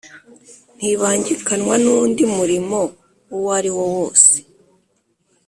ntibangikanwa n undi murimo uwo ari wo wose